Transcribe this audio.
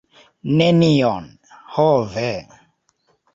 Nenion, ho ve!